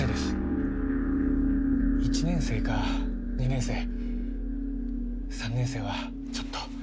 １年生か２年生３年生はちょっと。